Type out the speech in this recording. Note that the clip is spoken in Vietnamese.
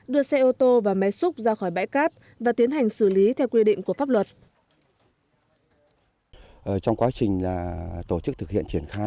đưa xe ô tô và máy xúc ra khỏi bãi cát và tiến hành xử lý theo quy định của pháp luật